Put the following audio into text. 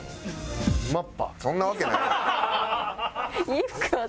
そんなわけないやろ。